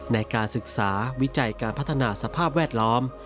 ในการศึกษาวิจัยการพัฒนาสภาพแวดล้อม